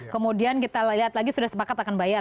kemudian kita lihat lagi sudah sepakat akan bayar